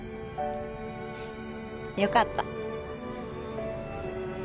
よかった。